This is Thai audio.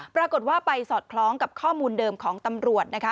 ปรากฏว่าไปสอดคล้องกับข้อมูลเดิมของตำรวจนะคะ